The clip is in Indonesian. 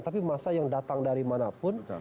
tapi masa yang datang dari manapun